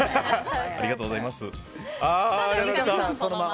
ありがとうございます。